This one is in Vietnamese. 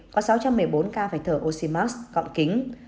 có sáu trăm một mươi bốn ca phải thở oxymars gọn kính